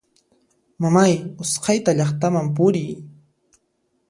Mamay usqhayta llaqtaman puriy!